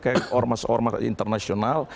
kayak ormas ormas internasional